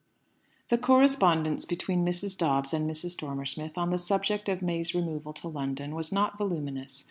The correspondence between Mrs. Dobbs and Mrs. Dormer Smith on the subject of May's removal to London was not voluminous.